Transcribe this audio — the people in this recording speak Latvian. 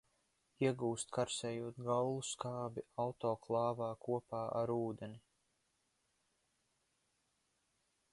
Iegūst, karsējot gallusskābi autoklāvā kopā ar ūdeni.